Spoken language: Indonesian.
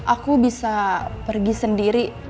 aku bisa pergi sendiri